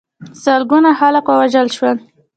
سلګونه خلک ووژل شول.